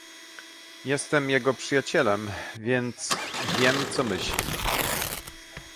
"Jestem jego przyjacielem, więc wiem, co myśli."